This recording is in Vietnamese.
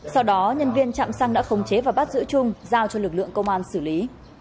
sau đó nhân viên trạm xăng đã khống chế và bắt giữ trung giao cho lực lượng công an xử lý